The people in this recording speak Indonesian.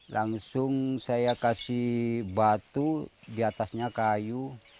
langsung saya kasih batu di atasnya kayu